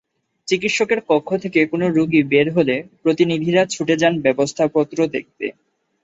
চিকিৎসকের কক্ষ থেকে কোনো রোগী বের হলে প্রতিনিধিরা ছুটে যান ব্যবস্থাপত্র দেখতে।